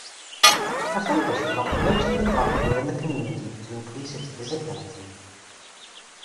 Her focus was on promoting the college within the community to increase its visibility.